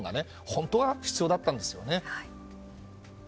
本当は必要だったんですよね。